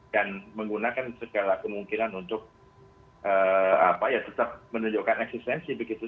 dan menggunakan segala kemungkinan untuk tetap menunjukkan eksistensi begitu